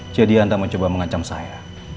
jadi anda mencoba mengancam saya